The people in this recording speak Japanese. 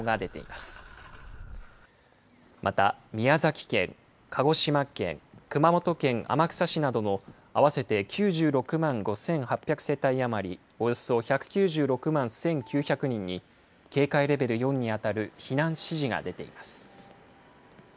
また、宮崎県、鹿児島県、熊本県天草市などの合わせて９６万５８００世帯余りおよそ１９６万１９００人に警戒レベル４に当たる避難指示が出ています。